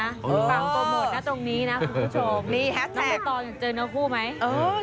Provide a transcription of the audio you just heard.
ฝากโปรโมทนะตรงนี้นะคุณผู้ชมน้องตอนเจอเนื้อคู่ไหมนี่แฮสแท็ก